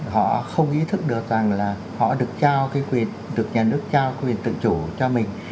họ không ý thức được rằng là họ được nhà nước trao quyền tự chủ cho mình